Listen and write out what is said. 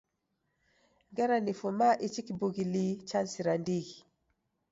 Ngera nifuma ichi kibughi lii chanisira ndighi